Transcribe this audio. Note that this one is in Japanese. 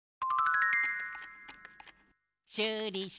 「シューリ！